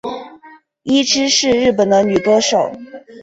伊织是日本的女歌手。